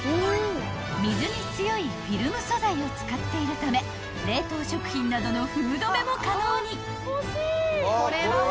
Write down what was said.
［水に強いフィルム素材を使っているため冷凍食品などの封止めも可能に］